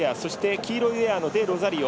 黄色いウエアのデロザリオ。